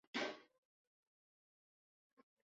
Pelea usando sus puños.